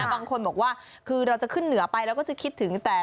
บางคนบอกว่าคือเราจะขึ้นเหนือไปแล้วก็จะคิดถึงแต่